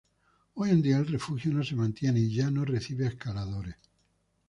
Hoy en día, el refugio no se mantiene y ya no recibe a escaladores.